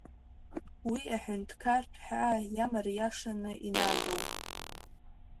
Уи аҳәынҭқарратә ҳәаа иамариашаны инагоуп.